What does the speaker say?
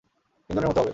তিনজনের মতো হবে।